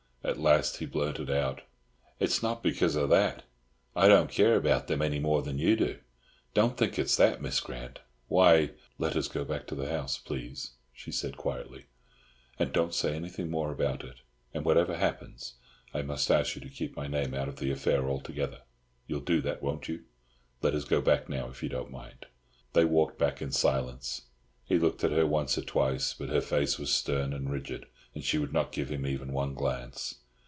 At last he blurted out: "It's not because of that. I don't care about them any more than you do. Don't think it's that, Miss Grant. Why—" "Let us go back to the house, please," she said quietly, "and don't say anything more about it. And whatever happens, I must ask you to keep my name out of the affair altogether. You'll do that, won't you? Let us go back now, if you don't mind." They walked back in silence. He looked at her once or twice, but her face was stern and rigid, and she would not give him even one glance.